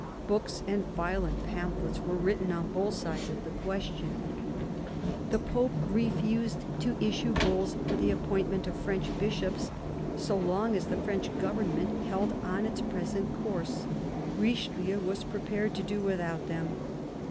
Books and violent pamphlets were written on both sides of the question. The Pope refused to issue bulls for the appointment of French bishops so long as the French Government held on its present course. Richelieu was prepared to do without them.